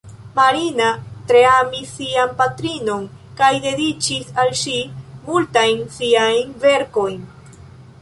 Marina tre amis sian patrinon kaj dediĉis al ŝi multajn siajn verkojn.